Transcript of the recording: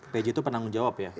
tj itu penanggung jawab ya